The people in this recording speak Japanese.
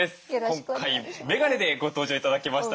今回メガネでご登場頂きました。